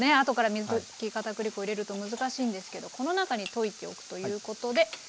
後から水溶きかたくり粉を入れると難しいんですけどこの中に溶いておくということで。